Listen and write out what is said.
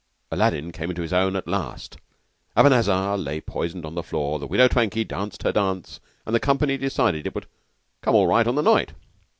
Aladdin came to his own at last, Abanazar lay poisoned on the floor, the Widow Twankay danced her dance, and the company decided it would "come all right on the night."